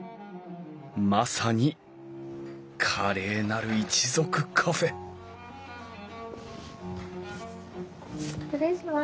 まさに「華麗なる一族カフェ」失礼します。